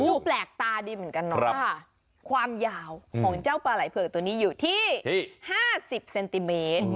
ดูแปลกตาดีเหมือนกันเนาะความยาวของเจ้าปลาไหลเผือกตัวนี้อยู่ที่๕๐เซนติเมตร